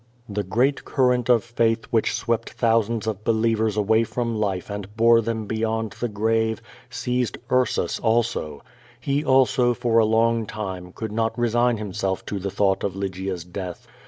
The great current of faith which swept thousands of be lievers away from life and bore them beyond the grave, seized QUO VADI8. 467 Utsus also. He also, for a long time, could not resign him self to the thought of Lygia's death.